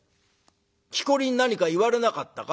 「きこりに何か言われなかったか？」。